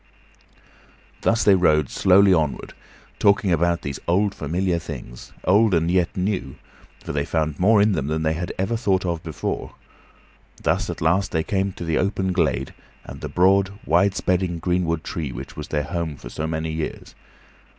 Thus they rode slowly onward, talking about these old, familiar things; old and yet new, for they found more in them than they had ever thought of before. Thus at last they came to the open glade, and the broad, wide spreading greenwood tree which was their home for so many years.